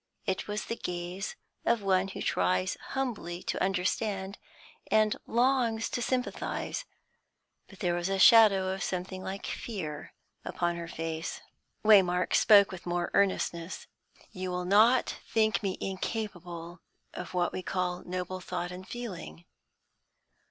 It was the gaze of one who tries humbly to understand, and longs to sympathise. But there was a shadow of something like fear upon her face. Waymark spoke with more earnestness. "You will not think me incapable of what we call noble thought and feeling?